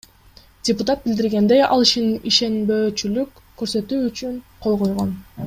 Депутат билдиргендей, ал ишенбөөчүлүк көрсөтүү үчүн кол койгон.